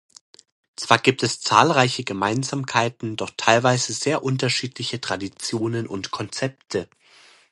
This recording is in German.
Zwar gibt es zahlreiche Gemeinsamkeiten, doch teilweise sehr unterschiedliche Traditionen und Konzepte.